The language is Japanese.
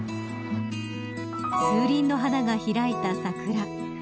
数輪の花が開いた桜。